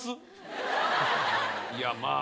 いやまあ。